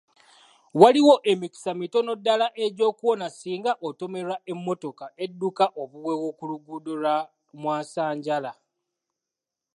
Waliwo emikisa mitono ddaala egy'okuwona singa otomerwa emmotoka edduka obuweewo ku luguudo lwa mwasanjala.